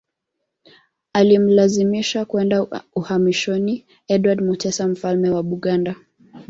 Alimlazimisha kwenda uhamishoni Edward Mutesa Mfalme wa Buganda